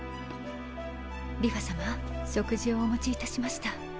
梨花さま食事をお持ちいたしました。